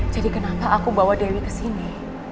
jadi kenapa aku bawa dewi kesini